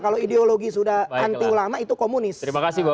kalau ideologi sudah anti ulama itu komunis